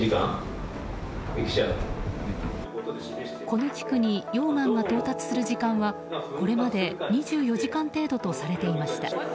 この地区に溶岩が到達する時間はこれまで２４時間程度とされていました。